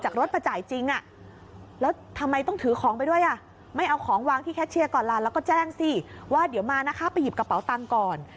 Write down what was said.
แค่เชียร์ก่อนลาแล้วก็แจ้งสิว่าเดี๋ยวมานะคะไปหยิบกระเป๋าตังค์ก่อน